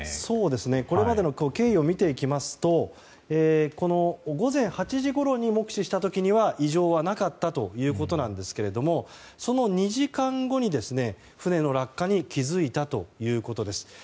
これまでの経緯を見ていきますと午前８時ごろに目視した時は異常がなかったということですがその２時間後に船の落下に気づいたということです。